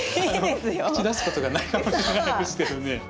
口出すことがないかもしれないですけどね。